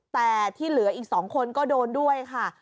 แต่ที่เหลืออีก๒คนก็โดนด้วยค่ะ